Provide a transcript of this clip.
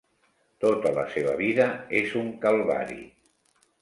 Tota la seva vida és un calvari.